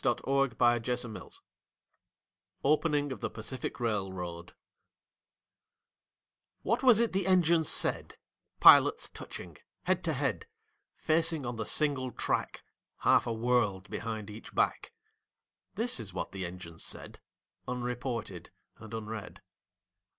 WHAT THE ENGINES SAID (OPENING OF THE PACIFIC RAILROAD) What was it the Engines said, Pilots touching,—head to head Facing on the single track, Half a world behind each back? This is what the Engines said, Unreported and unread.